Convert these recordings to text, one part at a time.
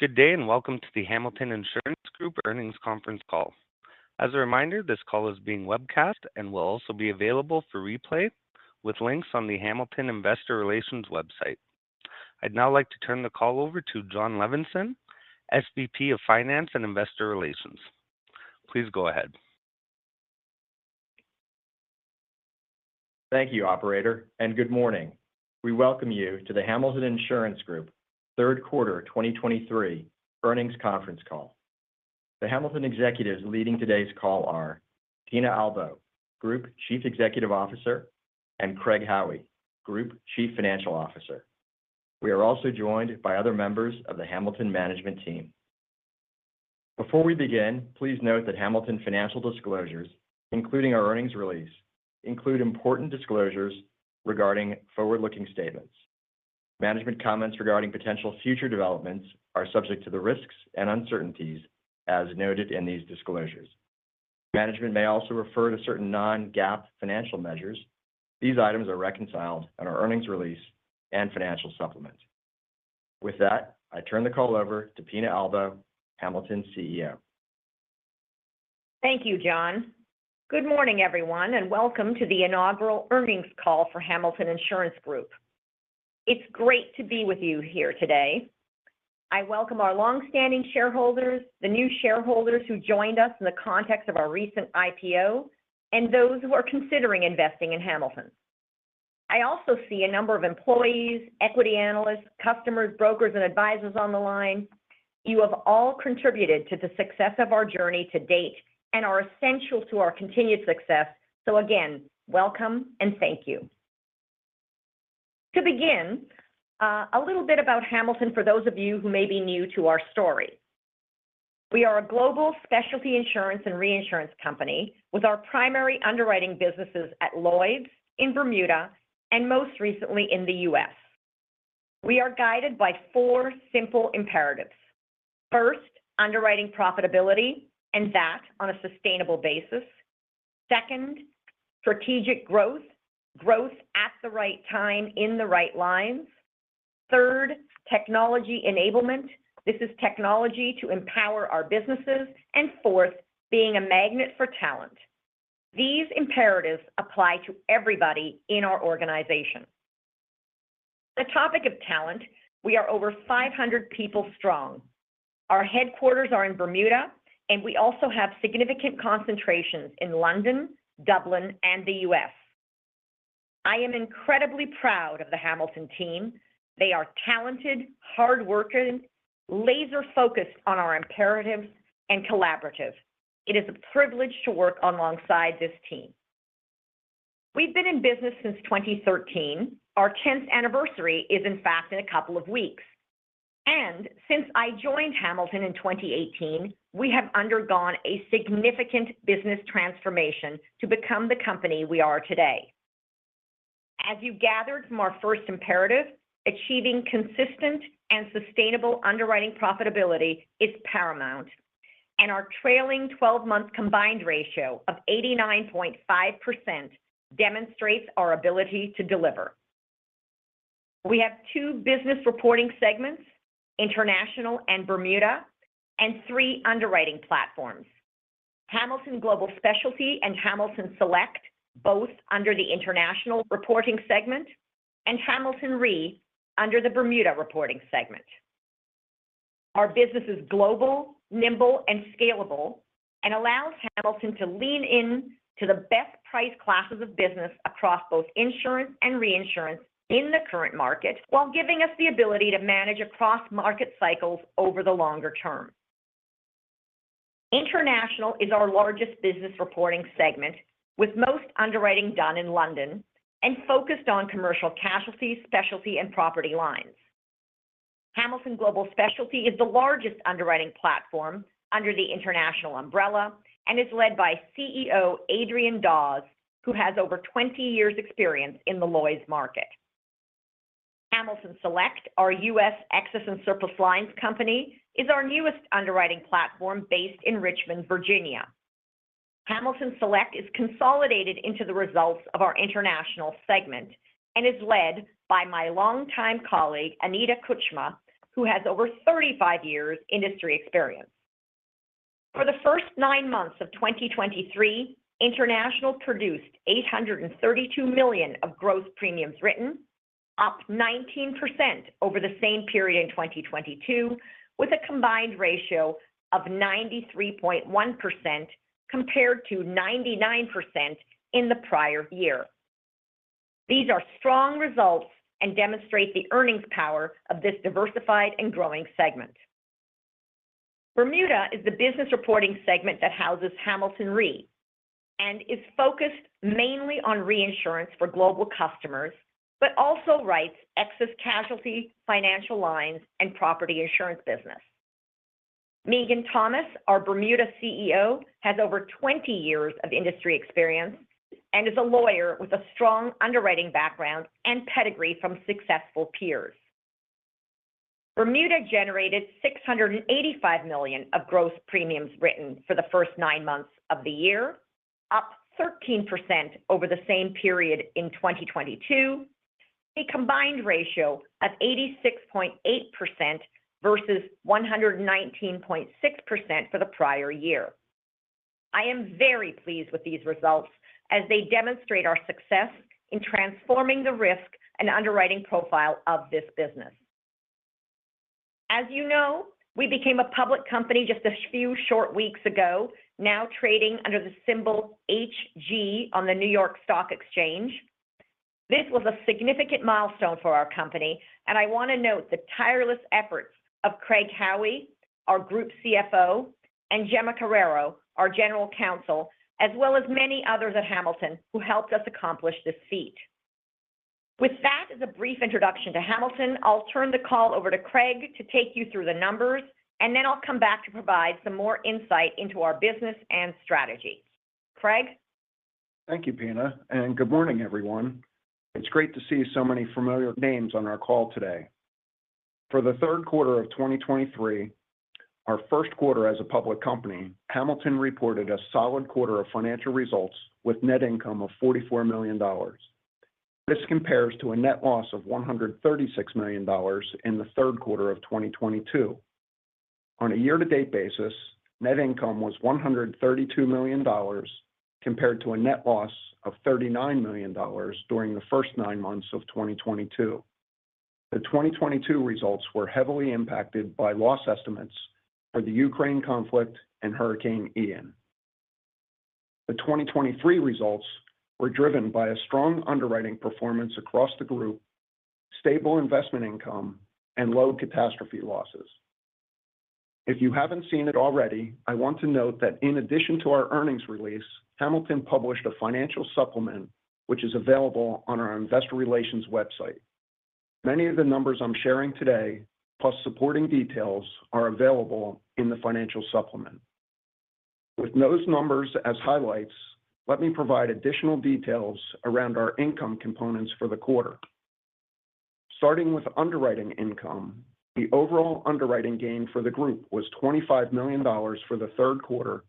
Good day, and welcome to the Hamilton Insurance Group Earnings Conference Call. As a reminder, this call is being webcast and will also be available for replay with links on the Hamilton Investor Relations website. I'd now like to turn the call over to Jon Levenson, SVP of Finance and Investor Relations. Please go ahead. Thank you, operator, and good morning. We welcome you to the Hamilton Insurance Group third quarter 2023 earnings conference call. The Hamilton executives leading today's call are Pina Albo, Group Chief Executive Officer, and Craig Howie, Group Chief Financial Officer. We are also joined by other members of the Hamilton management team. Before we begin, please note that Hamilton financial disclosures, including our earnings release, include important disclosures regarding forward-looking statements. Management comments regarding potential future developments are subject to the risks and uncertainties as noted in these disclosures. Management may also refer to certain non-GAAP financial measures. These items are reconciled in our earnings release and financial supplements. With that, I turn the call over to Pina Albo, Hamilton's CEO. Thank you, Jon. Good morning, everyone, and welcome to the inaugural earnings call for Hamilton Insurance Group. It's great to be with you here today. I welcome our longstanding shareholders, the new shareholders who joined us in the context of our recent IPO, and those who are considering investing in Hamilton. I also see a number of employees, equity analysts, customers, brokers, and advisors on the line. You have all contributed to the success of our journey to date and are essential to our continued success. So again, welcome and thank you. To begin, a little bit about Hamilton, for those of you who may be new to our story. We are a global specialty insurance and reinsurance company with our primary underwriting businesses at Lloyd's, in Bermuda, and most recently in the U.S. We are guided by four simple imperatives. First, underwriting profitability, and that on a sustainable basis. Second, strategic growth, growth at the right time in the right lines. Third, technology enablement. This is technology to empower our businesses. And fourth, being a magnet for talent. These imperatives apply to everybody in our organization. The topic of talent, we are over 500 people strong. Our headquarters are in Bermuda, and we also have significant concentrations in London, Dublin, and the U.S. I am incredibly proud of the Hamilton team. They are talented, hardworking, laser-focused on our imperatives, and collaborative. It is a privilege to work alongside this team. We've been in business since 2013. Our tenth anniversary is, in fact, in a couple of weeks. And since I joined Hamilton in 2018, we have undergone a significant business transformation to become the company we are today. As you gathered from our first imperative, achieving consistent and sustainable underwriting profitability is paramount, and our trailing 12-month combined ratio of 89.5% demonstrates our ability to deliver. We have two business reporting segments, International and Bermuda, and three underwriting platforms: Hamilton Global Specialty and Hamilton Select, both under the International reporting segment, and Hamilton Re under the Bermuda reporting segment. Our business is global, nimble, and scalable and allows Hamilton to lean in to the best price classes of business across both insurance and reinsurance in the current market, while giving us the ability to manage across market cycles over the longer term. International is our largest business reporting segment, with most underwriting done in London and focused on commercial casualties, specialty, and property lines. Hamilton Global Specialty is the largest underwriting platform under the International umbrella and is led by CEO Adrian Daws, who has over 20 years experience in the Lloyd's market. Hamilton Select, our U.S. excess and surplus lines company, is our newest underwriting platform based in Richmond, Virginia. Hamilton Select is consolidated into the results of our international segment and is led by my longtime colleague, Anita Kuchma, who has over 35 years industry experience. For the first nine months of 2023, International produced $832 million of gross premiums written, up 19% over the same period in 2022, with a combined ratio of 93.1%, compared to 99% in the prior year. These are strong results and demonstrate the earnings power of this diversified and growing segment. Bermuda is the business reporting segment that houses Hamilton Re and is focused mainly on reinsurance for global customers, but also writes excess casualty, financial lines, and property insurance business. Megan Thomas, our Bermuda CEO, has over 20 years of industry experience and is a lawyer with a strong underwriting background and pedigree from successful peers. Bermuda generated $685 million of gross premiums written for the first nine months of the year, up 13% over the same period in 2022. A combined ratio of 86.8% versus 119.6% for the prior year. I am very pleased with these results as they demonstrate our success in transforming the risk and underwriting profile of this business. As you know, we became a public company just a few short weeks ago, now trading under the symbol HG on the New York Stock Exchange. This was a significant milestone for our company, and I want to note the tireless efforts of Craig Howie, our Group CFO, and Gemma Carreiro, our General Counsel, as well as many others at Hamilton who helped us accomplish this feat. With that as a brief introduction to Hamilton, I'll turn the call over to Craig to take you through the numbers, and then I'll come back to provide some more insight into our business and strategy. Craig? Thank you, Pina, and good morning, everyone. It's great to see so many familiar names on our call today. For the third quarter of 2023, our first quarter as a public company, Hamilton reported a solid quarter of financial results with net income of $44 million. This compares to a net loss of $136 million in the third quarter of 2022. On a year-to-date basis, net income was $132 million, compared to a net loss of $39 million during the first nine months of 2022. The 2022 results were heavily impacted by loss estimates for the Ukraine conflict and Hurricane Ian. The 2023 results were driven by a strong underwriting performance across the group, stable investment income, and low catastrophe losses. If you haven't seen it already, I want to note that in addition to our earnings release, Hamilton published a financial supplement, which is available on our investor relations website. Many of the numbers I'm sharing today, plus supporting details, are available in the financial supplement. With those numbers as highlights, let me provide additional details around our income components for the quarter. Starting with underwriting income, the overall underwriting gain for the group was $25 million for the third quarter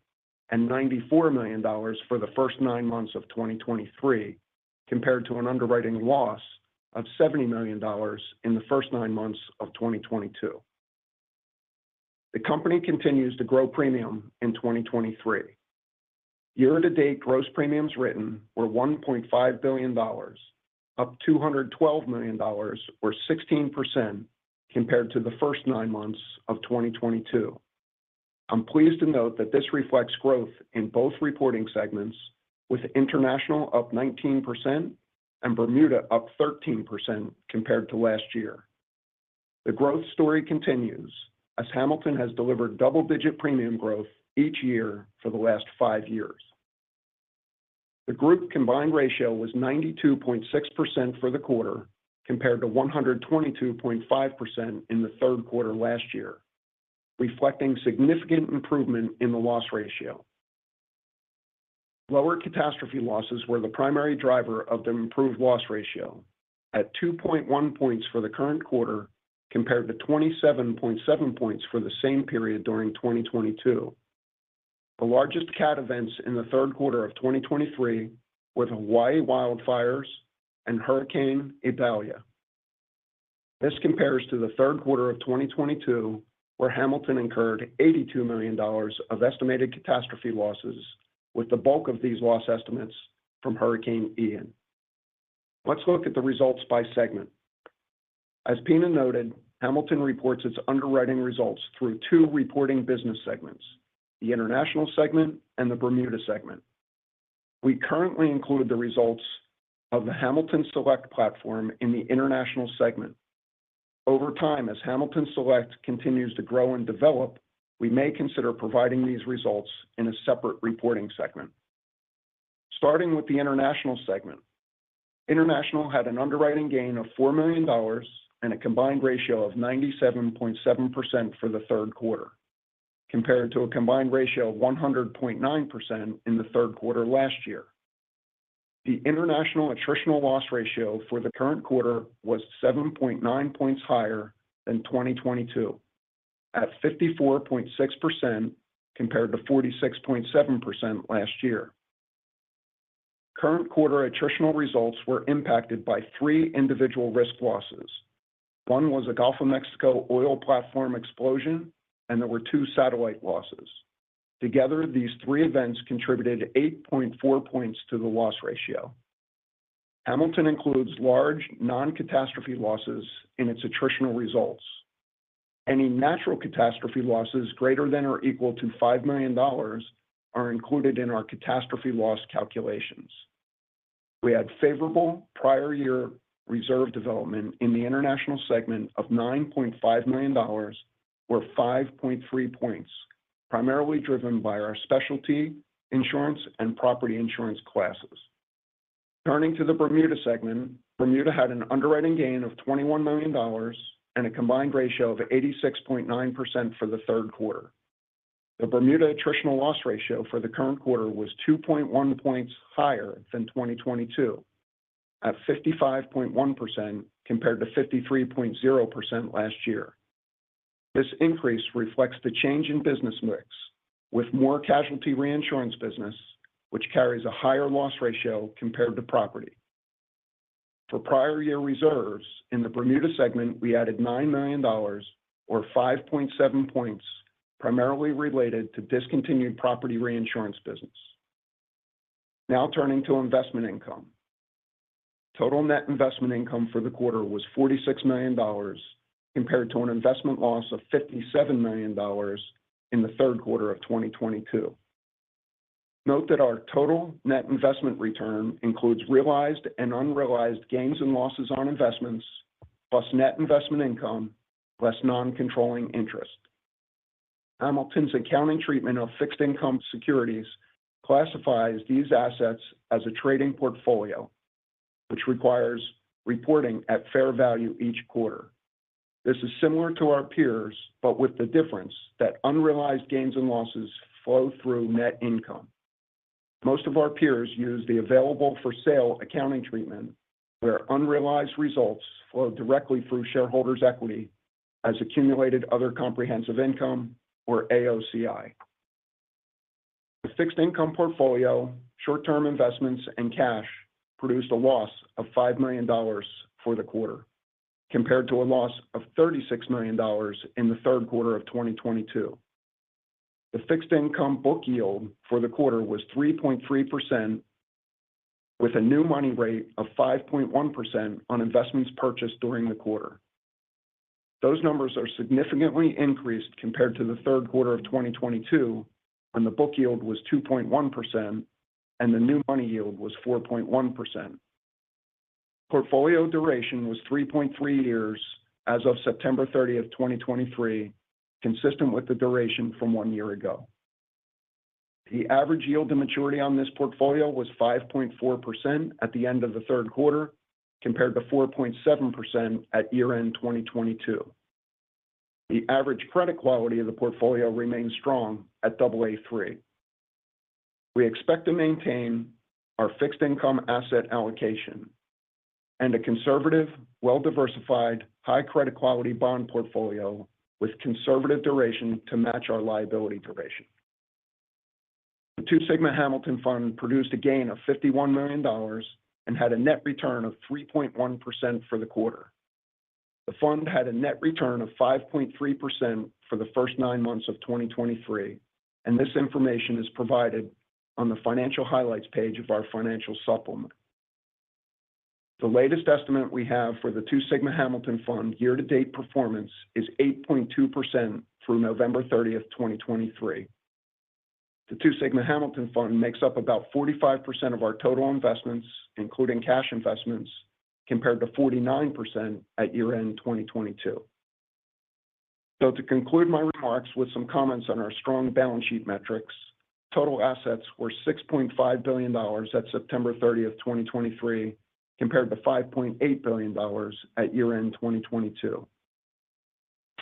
and $94 million for the first nine months of 2023, compared to an underwriting loss of $70 million in the first nine months of 2022. The company continues to grow premium in 2023. Year-to-date gross premiums written were $1.5 billion, up $212 million or 16% compared to the first nine months of 2022. I'm pleased to note that this reflects growth in both reporting segments, with international up 19% and Bermuda up 13% compared to last year. The growth story continues, as Hamilton has delivered double-digit premium growth each year for the last five years. The group combined ratio was 92.6% for the quarter, compared to 122.5% in the third quarter last year, reflecting significant improvement in the loss ratio. Lower catastrophe losses were the primary driver of the improved loss ratio at 2.1 points for the current quarter, compared to 27.7 points for the same period during 2022. The largest cat events in the third quarter of 2023 were the Hawaii wildfires and Hurricane Idalia. This compares to the third quarter of 2022, where Hamilton incurred $82 million of estimated catastrophe losses, with the bulk of these loss estimates from Hurricane Ian. Let's look at the results by segment. As Pina noted, Hamilton reports its underwriting results through two reporting business segments: the international segment and the Bermuda segment. We currently include the results of the Hamilton Select platform in the international segment. Over time, as Hamilton Select continues to grow and develop, we may consider providing these results in a separate reporting segment. Starting with the international segment, international had an underwriting gain of $4 million and a combined ratio of 97.7% for the third quarter, compared to a combined ratio of 100.9% in the third quarter last year. The international attritional loss ratio for the current quarter was 7.9 points higher than 2022, at 54.6%, compared to 46.7% last year. Current quarter attritional results were impacted by three individual risk losses. One was a Gulf of Mexico oil platform explosion, and there were two satellite losses. Together, these three events contributed 8.4 points to the loss ratio. Hamilton includes large non-catastrophe losses in its attritional results. Any natural catastrophe losses greater than or equal to $5 million are included in our catastrophe loss calculations. We had favorable prior year reserve development in the international segment of $9.5 million, or 5.3 points, primarily driven by our specialty insurance and property insurance classes. Turning to the Bermuda segment, Bermuda had an underwriting gain of $21 million and a combined ratio of 86.9% for the third quarter. The Bermuda attritional loss ratio for the current quarter was 2.1 points higher than 2022, at 55.1%, compared to 53.0% last year. This increase reflects the change in business mix, with more casualty reinsurance business, which carries a higher loss ratio compared to property. For prior year reserves in the Bermuda segment, we added $9 million, or 5.7 points, primarily related to discontinued property reinsurance business. Now turning to investment income. Total net investment income for the quarter was $46 million, compared to an investment loss of $57 million in the third quarter of 2022. Note that our total net investment return includes realized and unrealized gains and losses on investments, plus net investment income, less non-controlling interest. Hamilton's accounting treatment of fixed income securities classifies these assets as a trading portfolio, which requires reporting at fair value each quarter. This is similar to our peers, but with the difference that unrealized gains and losses flow through net income. Most of our peers use the available for sale accounting treatment, where unrealized results flow directly through shareholders' equity as Accumulated Other Comprehensive Income, or AOCI. The fixed income portfolio, short-term investments and cash, produced a loss of $5 million for the quarter, compared to a loss of $36 million in the third quarter of 2022. The fixed income book yield for the quarter was 3.3%, with a new money rate of 5.1% on investments purchased during the quarter. Those numbers are significantly increased compared to the third quarter of 2022, when the book yield was 2.1% and the new money yield was 4.1%. Portfolio duration was 3.3 years as of September 30, 2023, consistent with the duration from one year ago. The average yield to maturity on this portfolio was 5.4% at the end of the third quarter, compared to 4.7% at year-end 2022. The average credit quality of the portfolio remains strong at AA3. We expect to maintain our fixed income asset allocation and a conservative, well-diversified, high credit quality bond portfolio with conservative duration to match our liability duration. The Two Sigma Hamilton Fund produced a gain of $51 million and had a net return of 3.1% for the quarter. The fund had a net return of 5.3% for the first nine months of 2023, and this information is provided on the Financial Highlights page of our financial supplement. The latest estimate we have for the Two Sigma Hamilton Fund year-to-date performance is 8.2% through November 30th, 2023. The Two Sigma Hamilton Fund makes up about 45% of our total investments, including cash investments, compared to 49% at year-end 2022. To conclude my remarks with some comments on our strong balance sheet metrics, total assets were $6.5 billion at September 30th, 2023, compared to $5.8 billion at year-end 2022.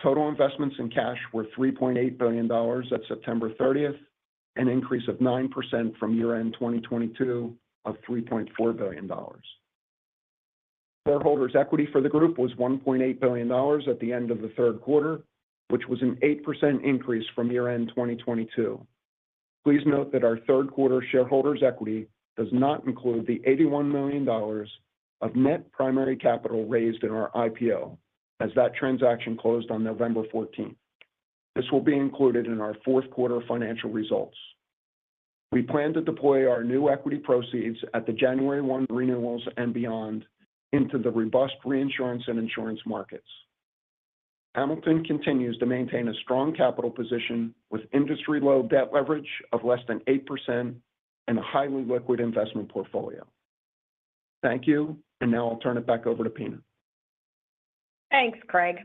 Total investments in cash were $3.8 billion at September 30th, 2023, an increase of 9% from year-end 2022 of $3.4 billion. Shareholders' equity for the group was $1.8 billion at the end of the third quarter, which was an 8% increase from year-end 2022. Please note that our third quarter shareholders' equity does not include the $81 million of net primary capital raised in our IPO, as that transaction closed on November 14. This will be included in our fourth quarter financial results. We plan to deploy our new equity proceeds at the January 1 renewals and beyond into the robust reinsurance and insurance markets. Hamilton continues to maintain a strong capital position with industry-low debt leverage of less than 8% and a highly liquid investment portfolio. Thank you, and now I'll turn it back over to Pina. Thanks, Craig.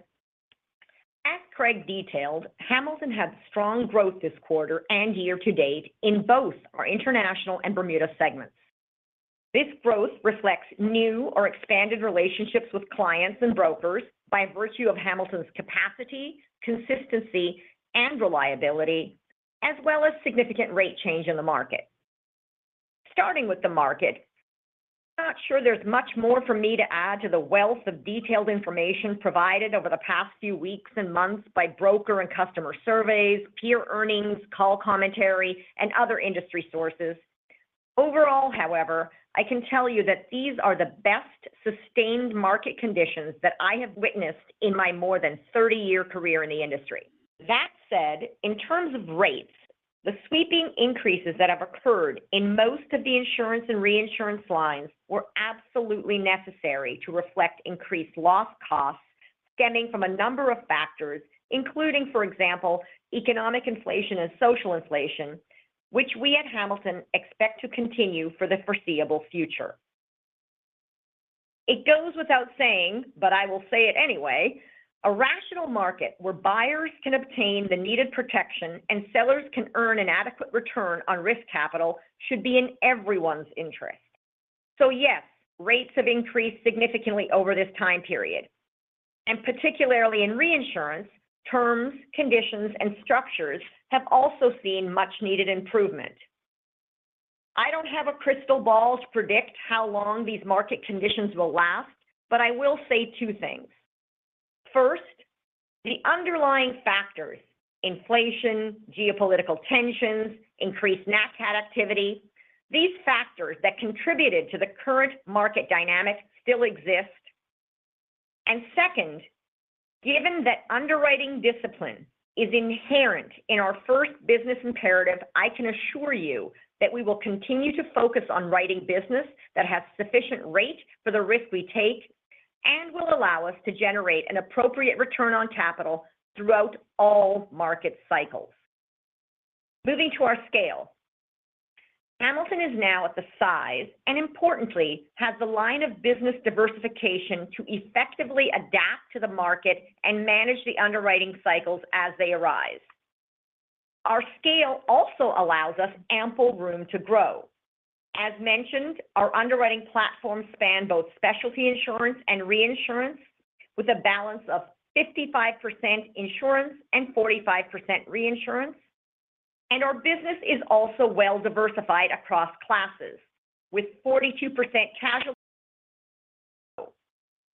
As Craig detailed, Hamilton had strong growth this quarter and year to date in both our international and Bermuda segments. This growth reflects new or expanded relationships with clients and brokers by virtue of Hamilton's capacity, consistency, and reliability, as well as significant rate change in the market. Starting with the market, I'm not sure there's much more for me to add to the wealth of detailed information provided over the past few weeks and months by broker and customer surveys, peer earnings, call commentary, and other industry sources. Overall, however, I can tell you that these are the best sustained market conditions that I have witnessed in my more than 30-year career in the industry. That said, in terms of rates, the sweeping increases that have occurred in most of the insurance and reinsurance lines were absolutely necessary to reflect increased loss costs stemming from a number of factors, including, for example, economic inflation and social inflation, which we at Hamilton expect to continue for the foreseeable future. It goes without saying, but I will say it anyway: a rational market where buyers can obtain the needed protection and sellers can earn an adequate return on risk capital should be in everyone's interest. So yes, rates have increased significantly over this time period, and particularly in reinsurance, terms, conditions, and structures have also seen much needed improvement.... I don't have a crystal ball to predict how long these market conditions will last, but I will say two things. First, the underlying factors: inflation, geopolitical tensions, increased nat cat activity, these factors that contributed to the current market dynamic still exist. Second, given that underwriting discipline is inherent in our first business imperative, I can assure you that we will continue to focus on writing business that has sufficient rate for the risk we take and will allow us to generate an appropriate return on capital throughout all market cycles. Moving to our scale. Hamilton is now at the size, and importantly, has the line of business diversification to effectively adapt to the market and manage the underwriting cycles as they arise. Our scale also allows us ample room to grow. As mentioned, our underwriting platforms span both specialty insurance and reinsurance, with a balance of 55% insurance and 45% reinsurance, and our business is also well diversified across classes, with 42% casualty.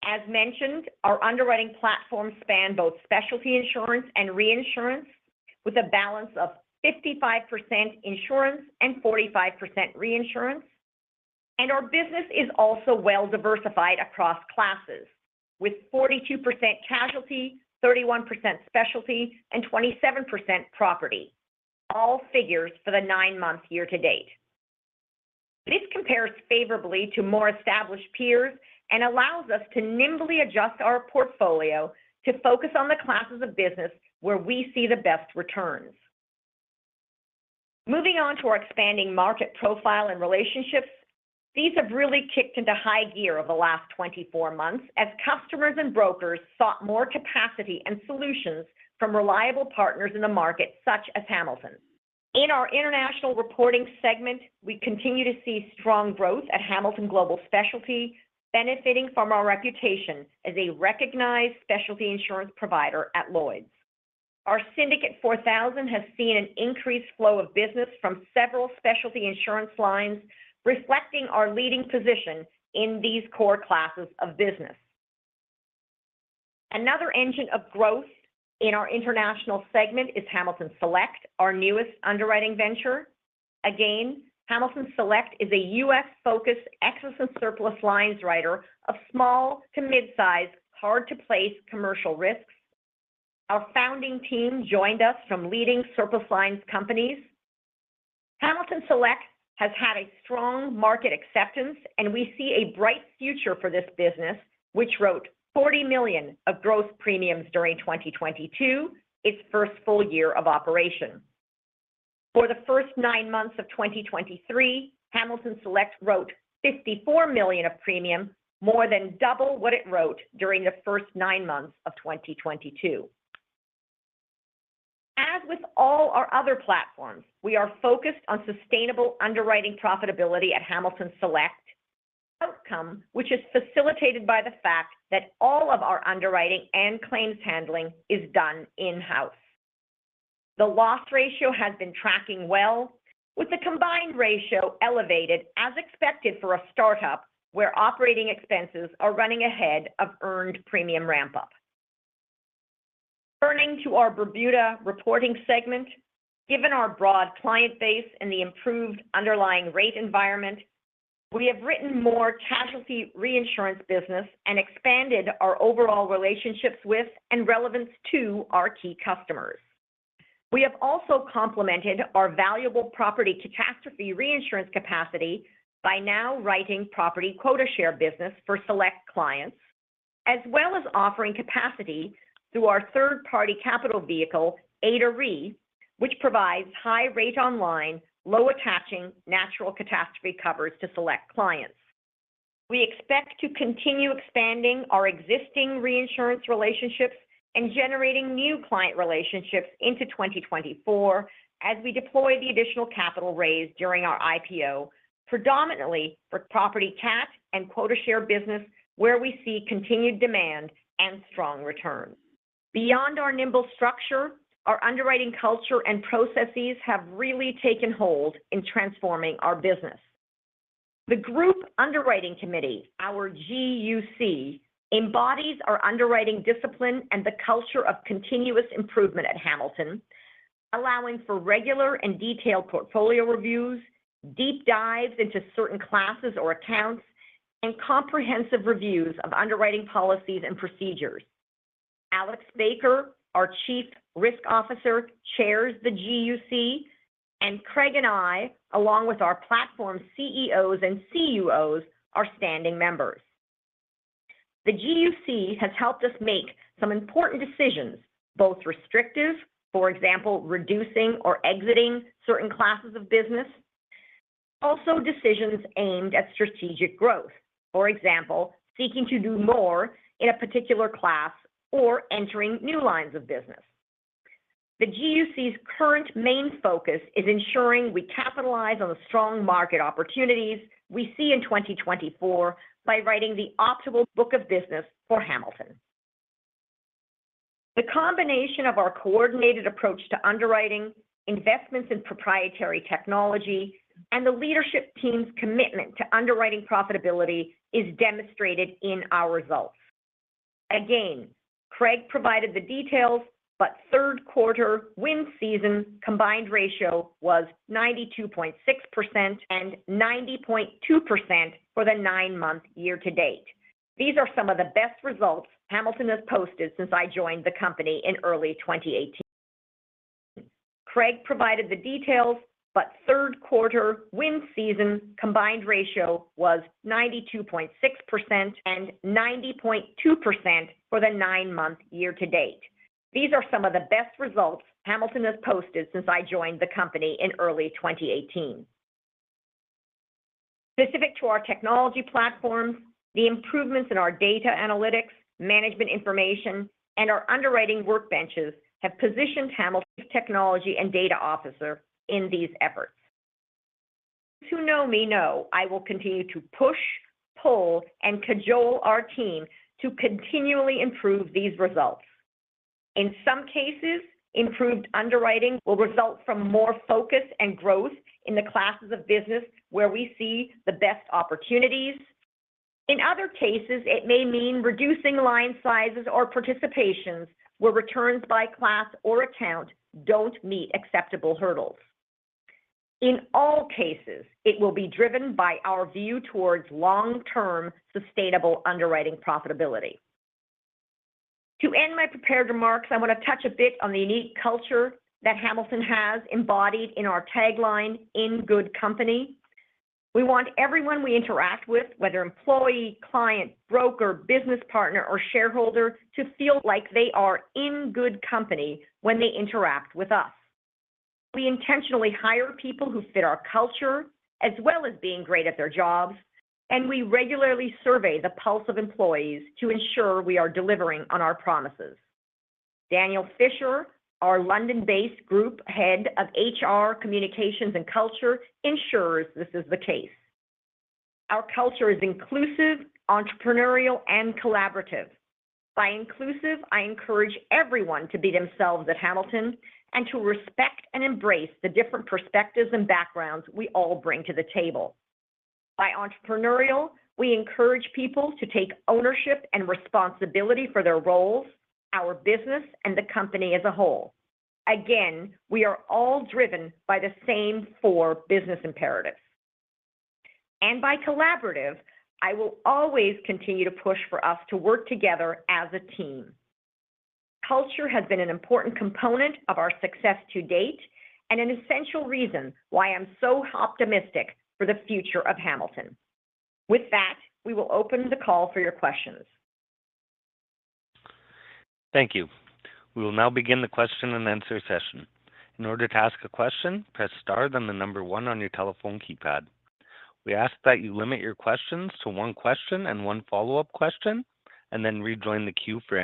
As mentioned, our underwriting platforms span both specialty insurance and reinsurance, with a balance of 55% insurance and 45% reinsurance, and our business is also well diversified across classes, with 42% casualty, 31% specialty, and 27% property, all figures for the nine month year to date. This compares favorably to more established peers and allows us to nimbly adjust our portfolio to focus on the classes of business where we see the best returns. Moving on to our expanding market profile and relationships, these have really kicked into high gear over the last 24 months as customers and brokers sought more capacity and solutions from reliable partners in the market, such as Hamilton. In our international reporting segment, we continue to see strong growth at Hamilton Global Specialty, benefiting from our reputation as a recognized specialty insurance provider at Lloyd's. Our Syndicate 4000 has seen an increased flow of business from several specialty insurance lines, reflecting our leading position in these core classes of business. Another engine of growth in our international segment is Hamilton Select, our newest underwriting venture. Again, Hamilton Select is a U.S.-focused excess and surplus lines writer of small to mid-size, hard-to-place commercial risks. Our founding team joined us from leading surplus lines companies. Hamilton Select has had a strong market acceptance, and we see a bright future for this business, which wrote $40 million of gross premiums during 2022, its first full year of operation. For the first nine months of 2023, Hamilton Select wrote $54 million of premium, more than double what it wrote during the first nine months of 2022. As with all our other platforms, we are focused on sustainable underwriting profitability at Hamilton Select, outcome, which is facilitated by the fact that all of our underwriting and claims handling is done in-house. The loss ratio has been tracking well, with the combined ratio elevated, as expected for a startup, where operating expenses are running ahead of earned premium ramp-up. Turning to our Bermuda reporting segment. Given our broad client base and the improved underlying rate environment, we have written more casualty reinsurance business and expanded our overall relationships with and relevance to our key customers. We have also complemented our valuable property catastrophe reinsurance capacity by now writing property quota share business for select clients, as well as offering capacity through our third-party capital vehicle, Ada Re, which provides high-rate online, low-attaching natural catastrophe covers to select clients. We expect to continue expanding our existing reinsurance relationships and generating new client relationships into 2024 as we deploy the additional capital raised during our IPO, predominantly for property cat and quota share business, where we see continued demand and strong returns. Beyond our nimble structure, our underwriting culture and processes have really taken hold in transforming our business. The Group Underwriting Committee, our GUC, embodies our underwriting discipline and the culture of continuous improvement at Hamilton, allowing for regular and detailed portfolio reviews, deep dives into certain classes or accounts, and comprehensive reviews of underwriting policies and procedures. Alex Baker, our Chief Risk Officer, chairs the GUC, and Craig and I, along with our platform CEOs and CUOs, are standing members. The GUC has helped us make some important decisions, both restrictive, for example, reducing or exiting certain classes of business, also decisions aimed at strategic growth. For example, seeking to do more in a particular class or entering new lines of business. The GUC's current main focus is ensuring we capitalize on the strong market opportunities we see in 2024 by writing the optimal book of business for Hamilton.... The combination of our coordinated approach to underwriting, investments in proprietary technology, and the leadership team's commitment to underwriting profitability is demonstrated in our results. Again, Craig provided the details, but third quarter wind season combined ratio was 92.6% and 90.2% for the nine-month year to date. These are some of the best results Hamilton has posted since I joined the company in early 2018. Craig provided the details, but third quarter wind season combined ratio was 92.6% and 90.2% for the nine-month year to date. These are some of the best results Hamilton has posted since I joined the company in early 2018. Specific to our technology platforms, the improvements in our data analytics, management information, and our underwriting workbenches have positioned Hamilton's technology and data officer in these efforts. Those who know me know I will continue to push, pull, and cajole our team to continually improve these results. In some cases, improved underwriting will result from more focus and growth in the classes of business where we see the best opportunities. In other cases, it may mean reducing line sizes or participations, where returns by class or account don't meet acceptable hurdles. In all cases, it will be driven by our view towards long-term, sustainable underwriting profitability. To end my prepared remarks, I want to touch a bit on the unique culture that Hamilton has embodied in our tagline, "In good company." We want everyone we interact with, whether employee, client, broker, business partner, or shareholder, to feel like they are in good company when they interact with us. We intentionally hire people who fit our culture, as well as being great at their jobs, and we regularly survey the pulse of employees to ensure we are delivering on our promises. Daniel Fisher, our London-based Group Head of HR, Communications, and Culture, ensures this is the case. Our culture is inclusive, entrepreneurial, and collaborative. By inclusive, I encourage everyone to be themselves at Hamilton and to respect and embrace the different perspectives and backgrounds we all bring to the table. By entrepreneurial, we encourage people to take ownership and responsibility for their roles, our business, and the company as a whole. Again, we are all driven by the same four business imperatives. By collaborative, I will always continue to push for us to work together as a team. Culture has been an important component of our success to date and an essential reason why I'm so optimistic for the future of Hamilton. With that, we will open the call for your questions. Thank you. We will now begin the question and answer session. In order to ask a question, press star, then the number one on your telephone keypad. We ask that you limit your questions to one question and one follow-up question, and then rejoin the queue for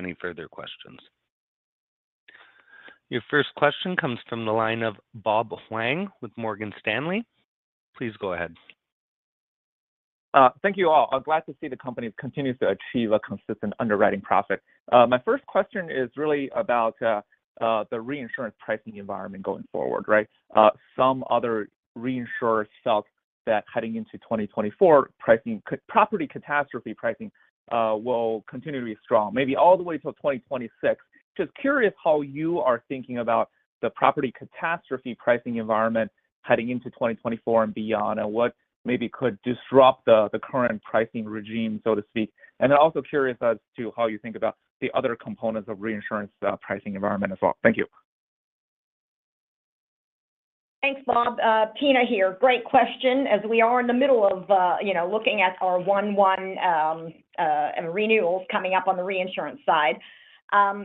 any further questions. Your first question comes from the line of Bob Huang with Morgan Stanley. Please go ahead. Thank you all. I'm glad to see the company continues to achieve a consistent underwriting profit. My first question is really about the reinsurance pricing environment going forward, right? Some other reinsurers felt that heading into 2024, property catastrophe pricing will continue to be strong, maybe all the way till 2026. Just curious how you are thinking about the property catastrophe pricing environment heading into 2024 and beyond, and what maybe could disrupt the current pricing regime, so to speak. And then also curious as to how you think about the other components of reinsurance pricing environment as well. Thank you. Thanks, Bob. Pina here. Great question, as we are in the middle of, you know, looking at our one-one renewals coming up on the reinsurance side.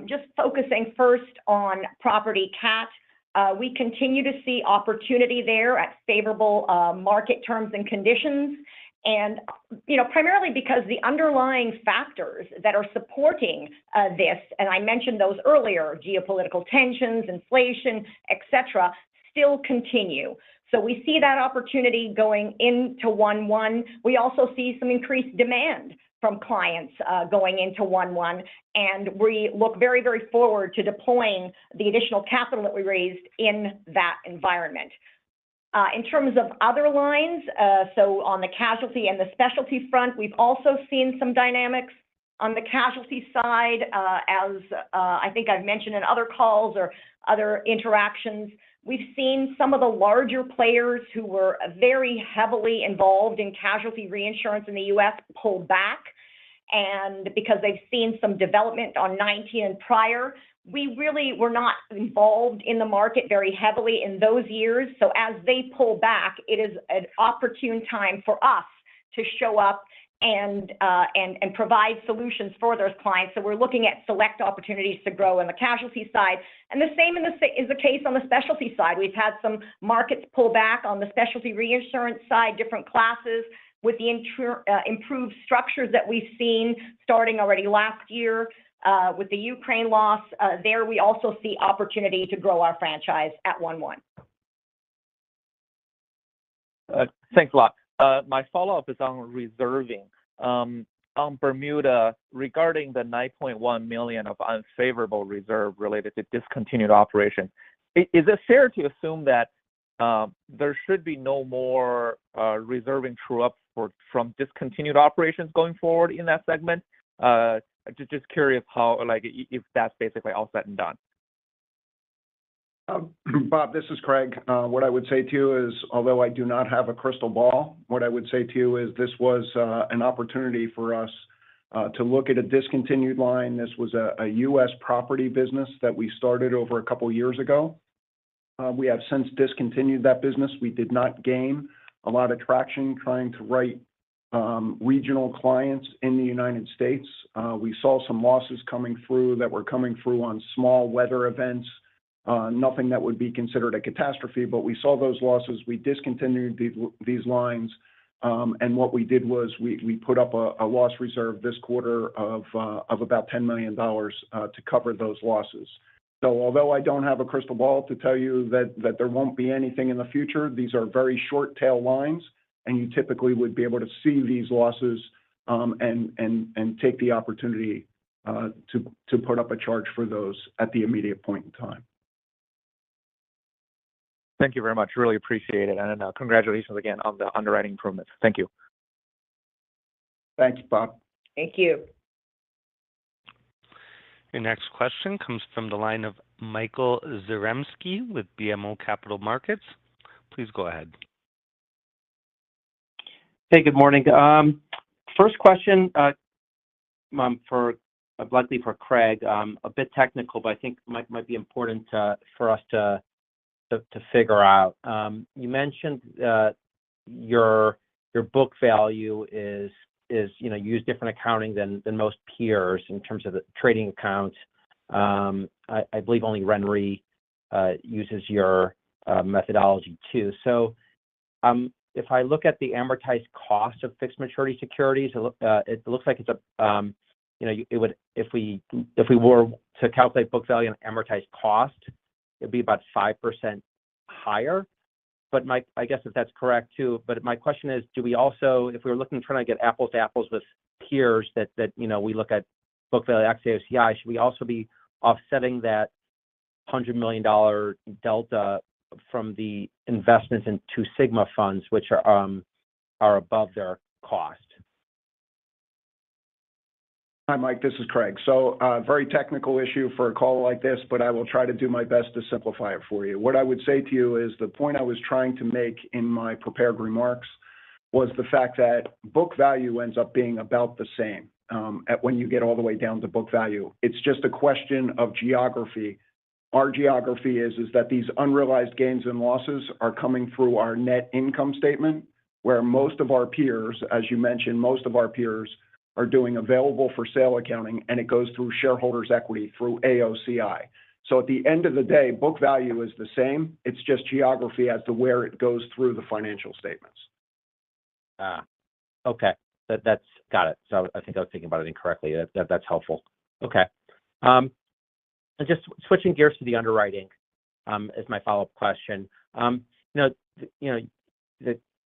Just focusing first on property cat, we continue to see opportunity there at favorable market terms and conditions, and, you know, primarily because the underlying factors that are supporting this, and I mentioned those earlier, geopolitical tensions, inflation, et cetera, still continue. So we see that opportunity going into one-one. We also see some increased demand from clients going into one-one, and we look very, very forward to deploying the additional capital that we raised in that environment. In terms of other lines, so on the casualty and the specialty front, we've also seen some dynamics. On the casualty side, as I think I've mentioned in other calls or other interactions, we've seen some of the larger players who were very heavily involved in casualty reinsurance in the U.S. pull back, and because they've seen some development on '19 and prior, we really were not involved in the market very heavily in those years. So as they pull back, it is an opportune time for us to show up and, and provide solutions for those clients. So we're looking at select opportunities to grow in the casualty side, and the same is the case on the specialty side. We've had some markets pull back on the specialty reinsurance side, different classes with the improved structures that we've seen starting already last year, with the Ukraine loss. There, we also see opportunity to grow our franchise at 1/1.... Thanks a lot. My follow-up is on reserving. On Bermuda, regarding the $9.1 million of unfavorable reserve related to discontinued operation, is it fair to assume that there should be no more reserving true up for from discontinued operations going forward in that segment? Just curious how, like, if that's basically all said and done. Bob, this is Craig. What I would say to you is, although I do not have a crystal ball, what I would say to you is, this was an opportunity for us to look at a discontinued line. This was a U.S. property business that we started over a couple of years ago. We have since discontinued that business. We did not gain a lot of traction trying to write regional clients in the United States. We saw some losses coming through that were coming through on small weather events. Nothing that would be considered a catastrophe, but we saw those losses. We discontinued these lines, and what we did was we put up a loss reserve this quarter of about $10 million to cover those losses. So although I don't have a crystal ball to tell you that there won't be anything in the future, these are very short tail lines, and you typically would be able to see these losses, and take the opportunity to put up a charge for those at the immediate point in time. Thank you very much. Really appreciate it, and congratulations again on the underwriting improvements. Thank you. Thanks, Bob. Thank you. Your next question comes from the line of Michael Zaremski with BMO Capital Markets. Please go ahead. Hey, good morning. First question, likely for Craig. A bit technical, but I think might be important for us to figure out. You mentioned your book value is, you know, use different accounting than most peers in terms of the trading accounts. I believe only RenRe uses your methodology too. So, if I look at the amortized cost of fixed maturity securities, it looks like it's, you know, it would—if we were to calculate book value on amortized cost, it'd be about 5% higher. But my... I guess if that's correct too, but my question is, do we also... If we're looking, trying to get apples to apples with peers that, that, you know, we look at book value AOCI, should we also be offsetting that $100 million delta from the investments in Two Sigma Funds, which are above their cost? Hi, Mike, this is Craig. So, very technical issue for a call like this, but I will try to do my best to simplify it for you. What I would say to you is, the point I was trying to make in my prepared remarks was the fact that book value ends up being about the same, at when you get all the way down to book value. It's just a question of geography. Our geography is, is that these unrealized gains and losses are coming through our net income statement, where most of our peers, as you mentioned, most of our peers are doing available for sale accounting, and it goes through shareholders' equity through AOCI. So at the end of the day, book value is the same, it's just geography as to where it goes through the financial statements. Ah, okay. That, that's got it. So I think I was thinking about it incorrectly. That, that's helpful. Okay, just switching gears to the underwriting, is my follow-up question. You know, you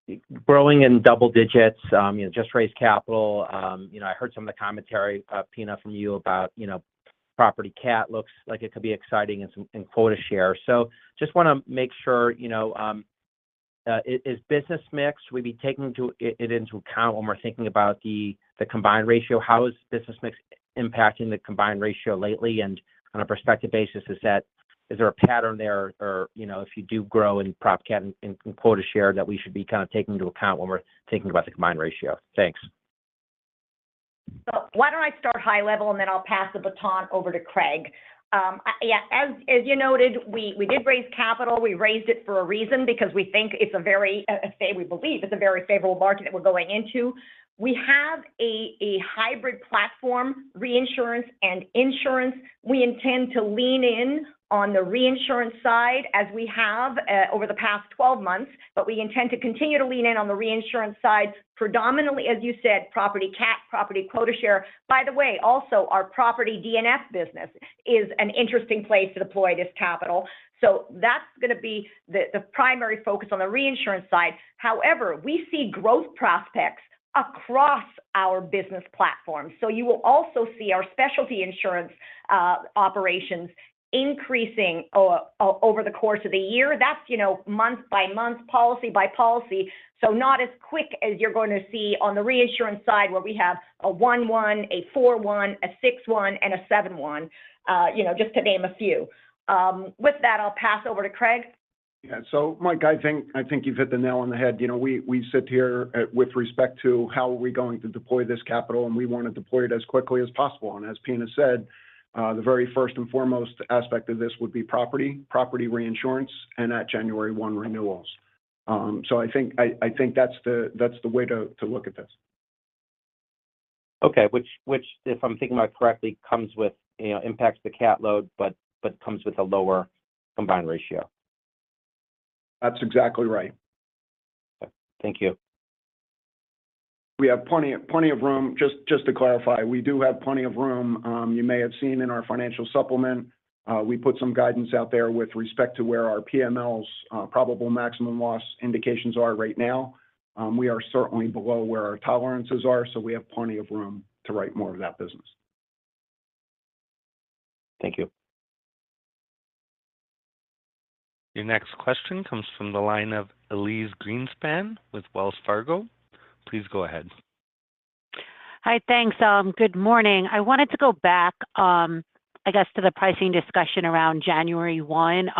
know, growing in double digits, you know, just raised capital. You know, I heard some of the commentary, Pina, from you about, you know, property cat looks like it could be exciting and some, and quota share. So just want to make sure, you know, is business mix we be taking into account when we're thinking about the combined ratio, how is business mix impacting the combined ratio lately, and on a prospective basis, is there a pattern there? Or, you know, if you do grow in prop cat and, and quota share, that we should be kind of taking into account when we're thinking about the combined ratio. Thanks. Why don't I start high level, and then I'll pass the baton over to Craig. Yeah, as you noted, we did raise capital. We raised it for a reason, because we think it's a very we believe it's a very favorable market that we're going into. We have a hybrid platform, reinsurance and insurance. We intend to lean in on the reinsurance side, as we have over the past 12 months, but we intend to continue to lean in on the reinsurance side, predominantly, as you said, property cat, property quota share. By the way, also our property D&F business is an interesting place to deploy this capital. That's going to be the primary focus on the reinsurance side. However, we see growth prospects across our business platform, so you will also see our specialty insurance operations increasing over the course of the year. That's, you know, month by month, policy by policy, so not as quick as you're going to see on the reinsurance side, where we have a 1/1, a 4/1, a 6/1, and a 7/1, you know, just to name a few. With that, I'll pass over to Craig. Yeah. So Mike, I think, I think you've hit the nail on the head. You know, we, we sit here with respect to how are we going to deploy this capital, and we want to deploy it as quickly as possible. And as Pina said, the very first and foremost aspect of this would be property, property reinsurance, and at January 1 renewals. So I think, I, I think that's the, that's the way to, to look at this. Okay. Which, if I'm thinking about it correctly, comes with, you know, impacts the cat load, but comes with a lower combined ratio. That's exactly right. Thank you. ... We have plenty, plenty of room. Just, just to clarify, we do have plenty of room. You may have seen in our financial supplement, we put some guidance out there with respect to where our PMLs, probable maximum loss indications are right now. We are certainly below where our tolerances are, so we have plenty of room to write more of that business. Thank you. Your next question comes from the line of Elyse Greenspan with Wells Fargo. Please go ahead. Hi, thanks. Good morning. I wanted to go back, I guess, to the pricing discussion around January 1.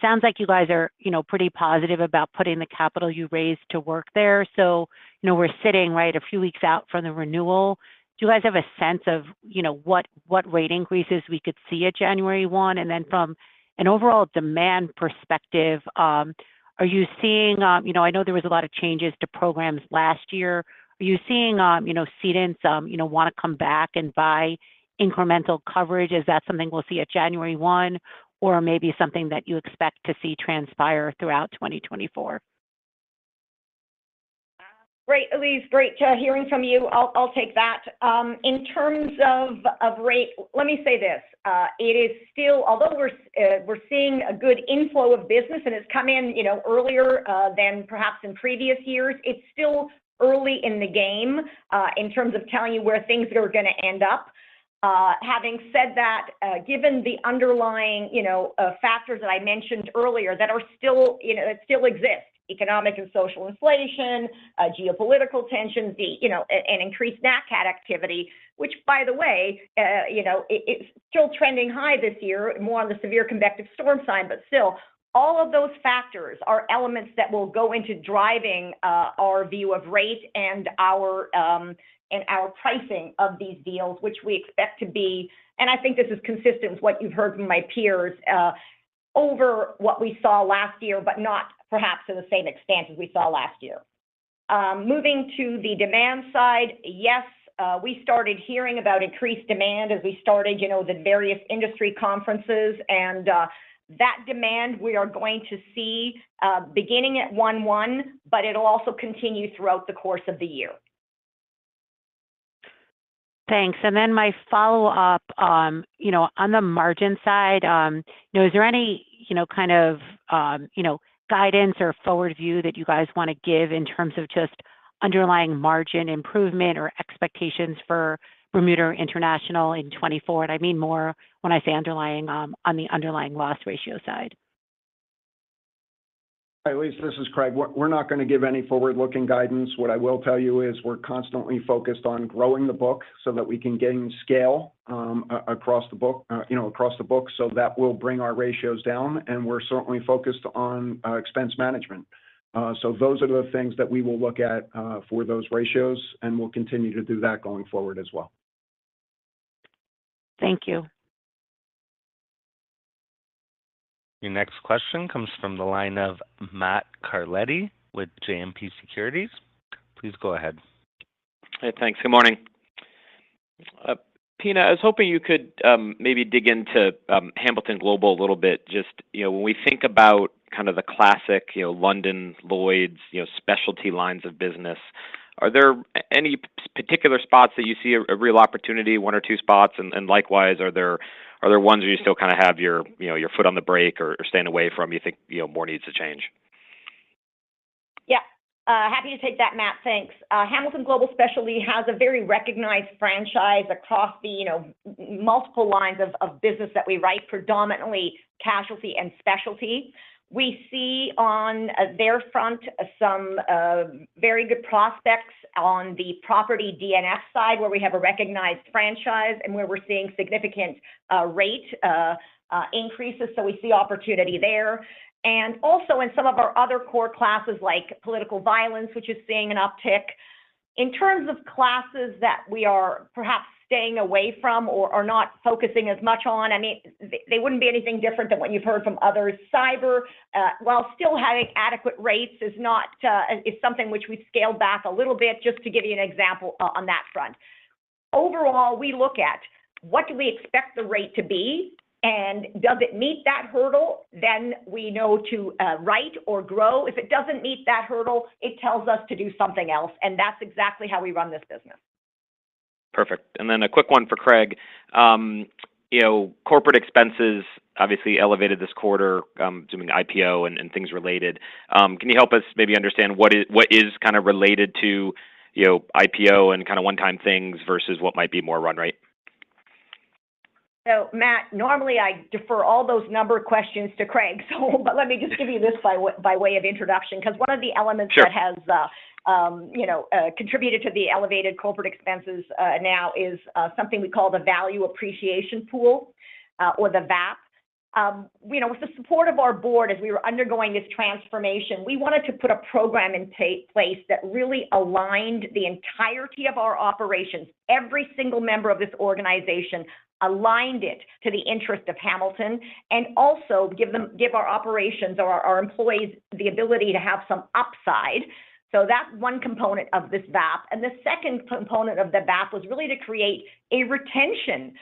Sounds like you guys are, you know, pretty positive about putting the capital you raised to work there. So, you know, we're sitting, right, a few weeks out from the renewal. Do you guys have a sense of, you know, what rate increases we could see at January 1? And then from an overall demand perspective, are you seeing... You know, I know there was a lot of changes to programs last year. Are you seeing, you know, cedents want to come back and buy incremental coverage? Is that something we'll see at January 1, or maybe something that you expect to see transpire throughout 2024? Great, Elise, great, hearing from you. I'll take that. In terms of rate... Let me say this: it is still although we're seeing a good inflow of business, and it's come in, you know, earlier than perhaps in previous years, it's still early in the game in terms of telling you where things are going to end up. Having said that, given the underlying, you know, factors that I mentioned earlier that are still, you know, still exist: economic and social inflation, geopolitical tensions, the, you know, and increased NAT CAT activity, which, by the way, you know, it, it's still trending high this year, more on the severe convective storm side. But still, all of those factors are elements that will go into driving our view of rate and our, and our pricing of these deals, which we expect to be... And I think this is consistent with what you've heard from my peers over what we saw last year, but not perhaps to the same extent as we saw last year. Moving to the demand side, yes, we started hearing about increased demand as we started, you know, the various industry conferences. And that demand, we are going to see beginning at 1/1, but it'll also continue throughout the course of the year. Thanks. And then my follow-up, you know, on the margin side, you know, is there any, you know, kind of, you know, guidance or forward view that you guys want to give in terms of just underlying margin improvement or expectations for Bermuda International in 2024? And I mean more when I say underlying, on the underlying loss ratio side. Hi, Elise, this is Craig. We're not going to give any forward-looking guidance. What I will tell you is we're constantly focused on growing the book so that we can gain scale, across the book, you know, across the book. So that will bring our ratios down, and we're certainly focused on expense management. So those are the things that we will look at for those ratios, and we'll continue to do that going forward as well. Thank you. Your next question comes from the line of Matt Carletti with JMP Securities. Please go ahead. Hey, thanks. Good morning. Pina, I was hoping you could maybe dig into Hamilton Global a little bit. Just, you know, when we think about kind of the classic, you know, London, Lloyd's, you know, specialty lines of business, are there any particular spots that you see a real opportunity, one or two spots? And likewise, are there ones where you still kind of have your, you know, your foot on the brake or staying away from, you think, you know, more needs to change? Yeah. Happy to take that, Matt. Thanks. Hamilton Global Specialty has a very recognized franchise across the, you know, multiple lines of business that we write, predominantly casualty and specialty. We see on their front, some very good prospects on the property D&F side, where we have a recognized franchise and where we're seeing significant rate increases, so we see opportunity there. And also in some of our other core classes, like political violence, which is seeing an uptick. In terms of classes that we are perhaps staying away from or not focusing as much on, I mean, they wouldn't be anything different than what you've heard from others. Cyber, while still having adequate rates, is something which we've scaled back a little bit, just to give you an example on that front. Overall, we look at what do we expect the rate to be, and does it meet that hurdle? Then we know to write or grow. If it doesn't meet that hurdle, it tells us to do something else, and that's exactly how we run this business. Perfect. Then a quick one for Craig. You know, corporate expenses obviously elevated this quarter, due to the IPO and things related. Can you help us maybe understand what is kind of related to, you know, IPO and kind of one-time things versus what might be more run rate? So Matt, normally I defer all those number questions to Craig. So but let me just give you this by way of introduction, because one of the elements- Sure... that has, you know, contributed to the elevated corporate expenses, now is something we call the Value Appreciation Pool, or the VAP. You know, with the support of our board, as we were undergoing this transformation, we wanted to put a program in place that really aligned the entirety of our operations, every single member of this organization, aligned it to the interest of Hamilton, and also give our operations or our, our employees the ability to have some upside. So that's one component of this VAP. And the second component of the VAP was really to create a retention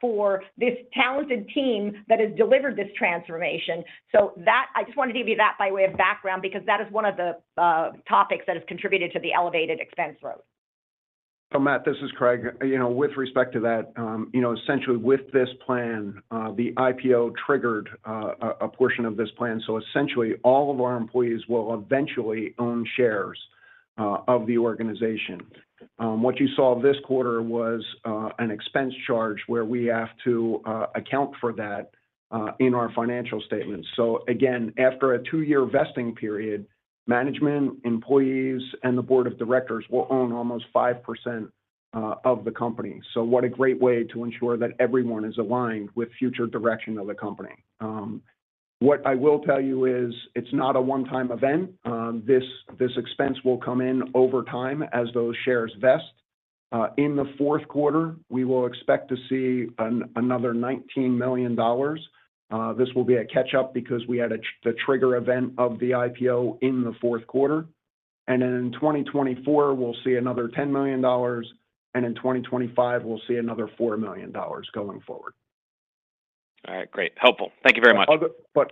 for this talented team that has delivered this transformation. So that... I just wanted to give you that by way of background, because that is one of the topics that has contributed to the elevated expense growth.... So Matt, this is Craig. You know, with respect to that, you know, essentially with this plan, the IPO triggered a portion of this plan. So essentially, all of our employees will eventually own shares of the organization. What you saw this quarter was an expense charge where we have to account for that in our financial statements. So again, after a two-year vesting period, management, employees, and the board of directors will own almost 5% of the company. So what a great way to ensure that everyone is aligned with future direction of the company. What I will tell you is, it's not a one-time event. This expense will come in over time as those shares vest. In the fourth quarter, we will expect to see another $19 million. This will be a catch-up because we had the trigger event of the IPO in the fourth quarter. In 2024, we'll see another $10 million, and in 2025, we'll see another $4 million going forward. All right. Great. Helpful. Thank you very much. But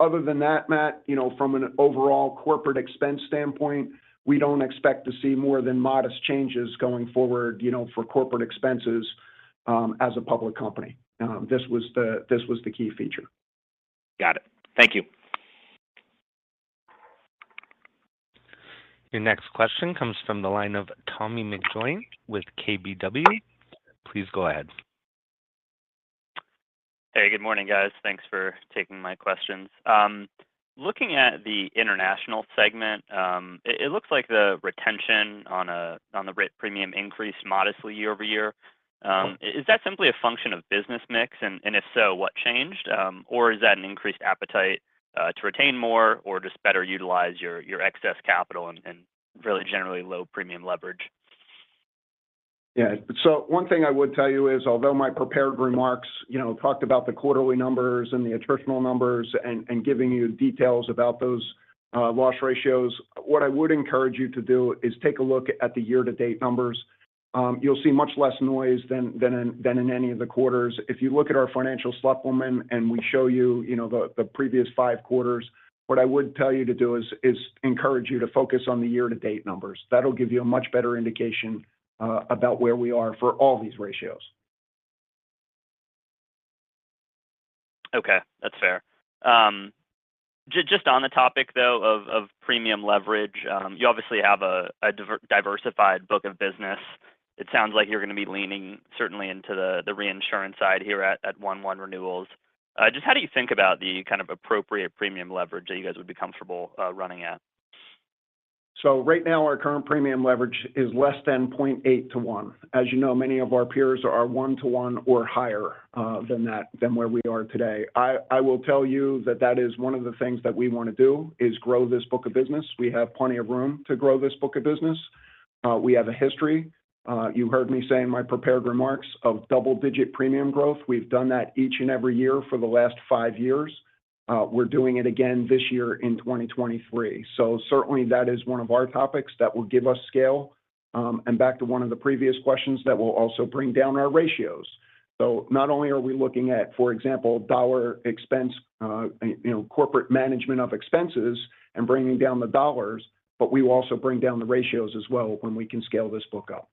other than that, Matt, you know, from an overall corporate expense standpoint, we don't expect to see more than modest changes going forward, you know, for corporate expenses, as a public company. This was the key feature. Got it. Thank you. Your next question comes from the line of Tommy McJoynt with KBW. Please go ahead. Hey, good morning, guys. Thanks for taking my questions. Looking at the international segment, it looks like the retention on the written premium increased modestly year-over-year. Is that simply a function of business mix? And if so, what changed? Or is that an increased appetite to retain more or just better utilize your excess capital and really generally low premium leverage? Yeah. So one thing I would tell you is, although my prepared remarks, you know, talked about the quarterly numbers and the attritional numbers and giving you details about those loss ratios, what I would encourage you to do is take a look at the year-to-date numbers. You'll see much less noise than in any of the quarters. If you look at our financial supplement and we show you, you know, the previous five quarters, what I would tell you to do is encourage you to focus on the year-to-date numbers. That'll give you a much better indication about where we are for all these ratios. Okay, that's fair. Just on the topic, though, of premium leverage, you obviously have a diversified book of business. It sounds like you're going to be leaning certainly into the reinsurance side here at 1/1 renewals. Just how do you think about the kind of appropriate premium leverage that you guys would be comfortable running at? So right now, our current premium leverage is less than 0.8 to 1. As you know, many of our peers are one to one or higher than that, than where we are today. I, I will tell you that that is one of the things that we want to do, is grow this book of business. We have plenty of room to grow this book of business. We have a history. You heard me say in my prepared remarks of double-digit premium growth. We've done that each and every year for the last five years. We're doing it again this year in 2023. So certainly, that is one of our topics that will give us scale. And back to one of the previous questions that will also bring down our ratios. So not only are we looking at, for example, dollar expense, you know, corporate management of expenses and bringing down the dollars, but we will also bring down the ratios as well when we can scale this book up.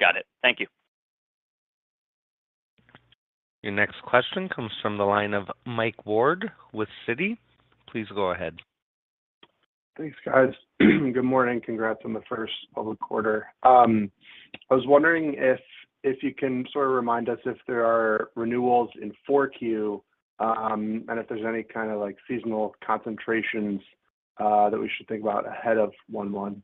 Got it. Thank you. Your next question comes from the line of Mike Ward with Citi. Please go ahead. Thanks, guys. Good morning. Congrats on the first public quarter. I was wondering if you can sort of remind us if there are renewals in Q4, and if there's any kind of like seasonal concentrations that we should think about ahead of Q1.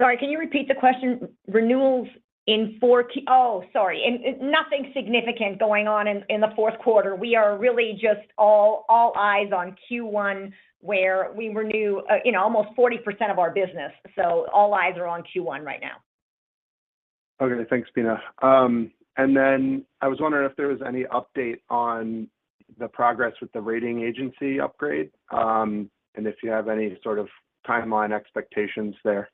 Sorry, can you repeat the question? Renewals in four Q... Oh, sorry, in nothing significant going on in the fourth quarter. We are really just all eyes on Q1, where we renew, you know, almost 40% of our business. So all eyes are on Q1 right now. Okay, thanks, Pina. And then I was wondering if there was any update on the progress with the rating agency upgrade, and if you have any sort of timeline expectations there.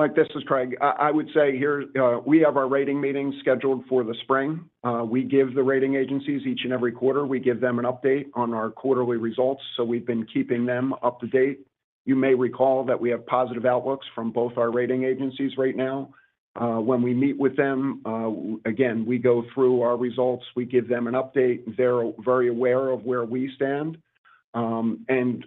Mike, this is Craig. I would say here, we have our rating meeting scheduled for the spring. We give the rating agencies each and every quarter. We give them an update on our quarterly results, so we've been keeping them up to date. You may recall that we have positive outlooks from both our rating agencies right now. When we meet with them, again, we go through our results, we give them an update. They're very aware of where we stand. And,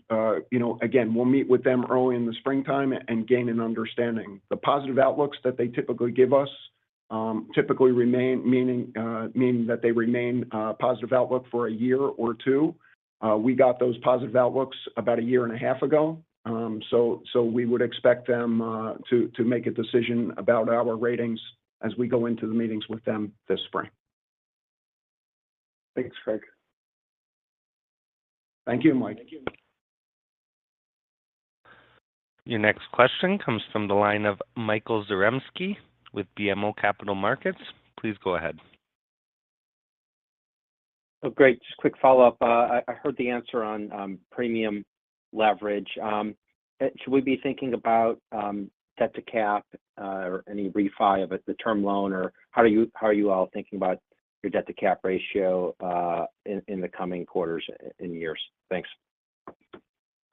you know, again, we'll meet with them early in the springtime and gain an understanding. The positive outlooks that they typically give us, typically remain meaning, meaning that they remain a positive outlook for a year or two. We got those positive outlooks about a year and a half ago. So, we would expect them to make a decision about our ratings as we go into the meetings with them this spring. Thanks, Craig. Thank you, Mike. Thank you. Your next question comes from the line of Michael Zaremski with BMO Capital Markets. Please go ahead. Oh, great. Just a quick follow-up. I heard the answer on premium leverage. Should we be thinking about debt- to-cap, or any refi of it, the term loan, or how are you all thinking about your debt-to-cap ratio in the coming quarters and years? Thanks.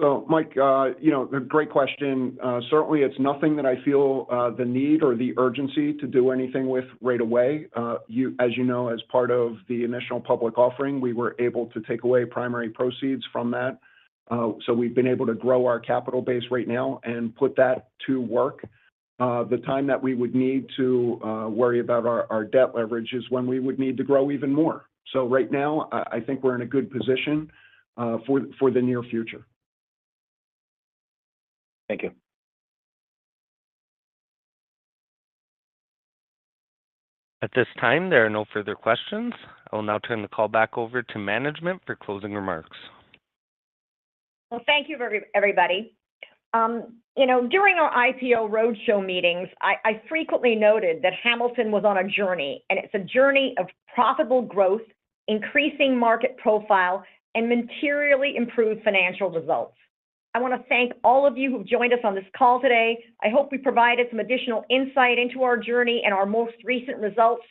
So, Mike, you know, great question. Certainly, it's nothing that I feel the need or the urgency to do anything with right away. As you know, as part of the initial public offering, we were able to take away primary proceeds from that. So we've been able to grow our capital base right now and put that to work. The time that we would need to worry about our debt leverage is when we would need to grow even more. So right now, I think we're in a good position for the near future. Thank you. At this time, there are no further questions. I will now turn the call back over to management for closing remarks. Well, thank you everybody. You know, during our IPO roadshow meetings, I frequently noted that Hamilton was on a journey, and it's a journey of profitable growth, increasing market profile, and materially improved financial results. I want to thank all of you who've joined us on this call today. I hope we provided some additional insight into our journey and our most recent results.